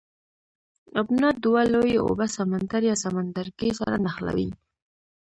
ابنا دوه لویې اوبه سمندر یا سمندرګی سره نښلوي.